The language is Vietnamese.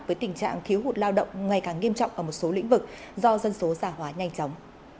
với tình trạng thiếu hụt lao động ngày càng nghiêm trọng ở một số lĩnh vực do dân số già hóa nhanh chóng